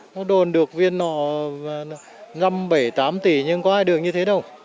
nó đồn được viên nọ năm bảy tám tỷ nhưng có ai được như thế đâu